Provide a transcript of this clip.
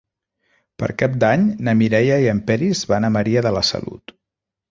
Per Cap d'Any na Mireia i en Peris van a Maria de la Salut.